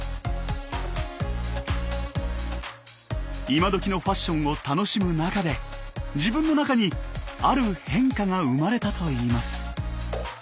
イマドキのファッションを楽しむ中で自分の中にある変化が生まれたといいます。